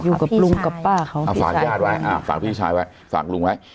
อยู่กับลุงกับป้าเขาอ่าฝากญาติไว้อ่าฝากพี่ชายไว้ฝากลุงไว้